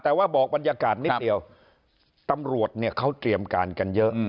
แต่ว่าบอกบรรยากาศนิดเดียวตำรวจเนี่ยเขาเตรียมการกันเยอะ